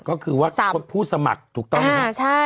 ก็คือว่าผู้สมัครถูกต้อง